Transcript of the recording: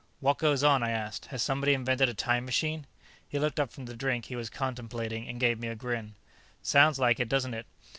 "What goes on?" I asked. "Has somebody invented a time machine?" He looked up from the drink he was contemplating and gave me a grin. "Sounds like it, doesn't it?